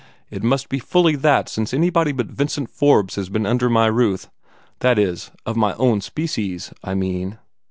"It must be fully that since anybody but Vincent Forbes has been under my roof; that is, of my own species, I mean."